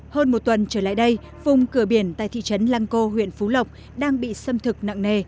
hơn một tuần trở lại đây vùng cửa biển tại thị trấn lăng cô huyện phú lộc đang bị xâm thực nặng nề